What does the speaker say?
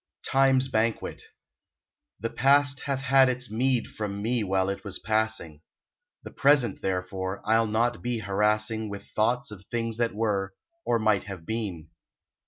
TIME S BANQUET THE past hath had its meed from me While it was passing; The present, therefore, I ll not be Harassing With thoughts of things that were, or might have been.